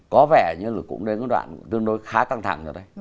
có vẻ như là cũng đến cái đoạn tương đối khá căng thẳng rồi đấy